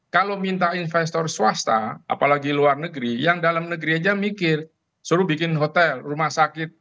kalau minta investor swasta apalagi luar negeri yang dalam negeri aja mikir suruh bikin hotel rumah sakit